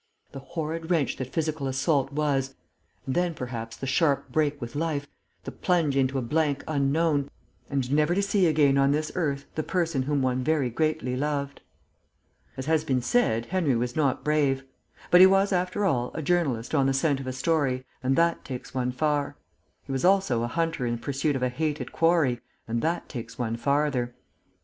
The horrid wrench that physical assault was and then, perhaps, the sharp break with life, the plunge into a blank unknown and never to see again on this earth the person whom one very greatly loved.... As has been said, Henry was not brave. But he was, after all, a journalist on the scent of a story, and that takes one far; he was also a hunter in pursuit of a hated quarry, and that takes one farther.